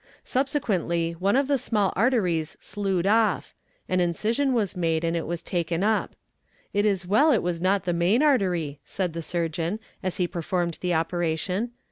Subsequently, one of the small arteries sloughed off; an incision was made, and it was taken up. 'It is well it was not the main artery,' said the surgeon, as he performed the operation.